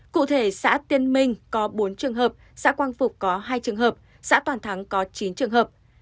cụ thể xã tiên minh có bốn trường hợp xã quang phục có hai trường hợp xã toàn thắng có chín trường hợp